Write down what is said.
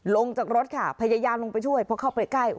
ลงจากรถค่ะพยายามลงไปช่วยเพราะเข้าไปใกล้